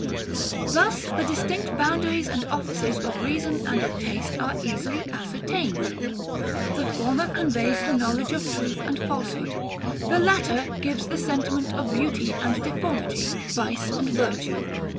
Thus the distinct boundaries and offices of REASON and of TASTE are easily ascertained. The former conveys the knowledge of truth and falsehood: the latter gives the sentiment of beauty and deformity, vice and virtue.